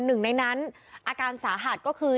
หนึ่งในนั้นอาการสาหัสก็คือ